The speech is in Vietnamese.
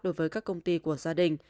đối với các công ty của gia đình